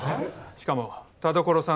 しかも田所さん